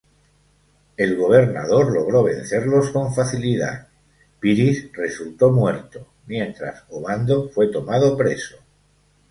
El gobernador logró vencerlos con facilidad; Piris resultó muerto, mientras Obando fue tomado preso.